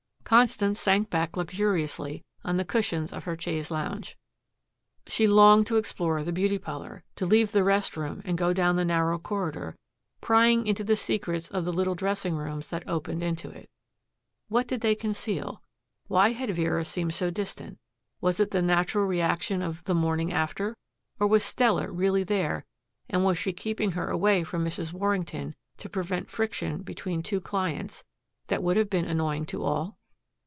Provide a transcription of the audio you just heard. Constance sank back luxuriously on the cushions of her chaise longue. She longed to explore the beauty parlor, to leave the rest room and go down the narrow corridor, prying into the secrets of the little dressing rooms that opened into it. What did they conceal? Why had Vera seemed so distant? Was it the natural reaction of the "morning after," or was Stella really there and was she keeping her away from Mrs. Warrington to prevent friction between two clients that would have been annoying to all?